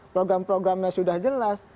program programnya sudah jelas